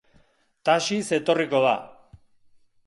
Taxiz etorriko da.